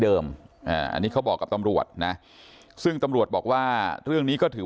อันนี้เขาบอกกับตำรวจนะซึ่งตำรวจบอกว่าเรื่องนี้ก็ถือ